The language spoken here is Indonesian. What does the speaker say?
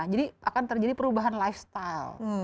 jadi akan terjadi perubahan lifestyle